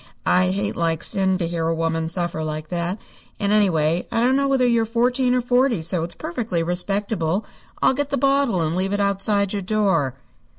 I hate like sin to hear a woman suffer like that, and, anyway, I don't know whether you're fourteen or forty, so it's perfectly respectable. I'll get the bottle and leave it outside your door."